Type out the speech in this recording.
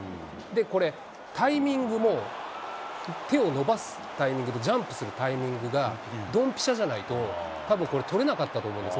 これ、タイミングも、手を伸ばすタイミングとジャンプするタイミングが、ドンピシャじゃないと、たぶんこれ、捕れなかったと思います。